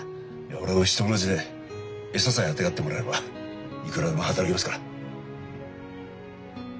俺は牛と同じで餌さえあてがってもらえればいくらでも働きますから。